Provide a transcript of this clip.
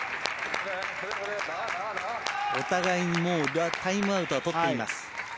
お互いにタイムアウトは取っています。